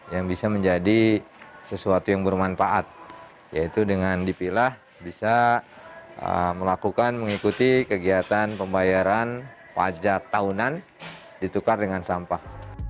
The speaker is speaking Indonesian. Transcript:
yang bisa menjadi sesuatu yang bermanfaat yaitu dengan dipilah bisa melakukan mengikuti kegiatan pembayaran pajak tahunan ditukar dengan sampah